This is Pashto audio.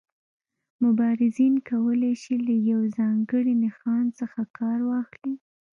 مبارزین کولای شي له یو ځانګړي نښان څخه کار واخلي.